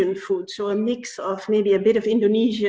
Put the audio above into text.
jadi sebuah campuran mungkin sedikit indonesia